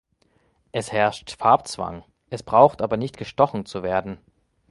Es herrscht Farbzwang, es braucht aber nicht gestochen zu werden.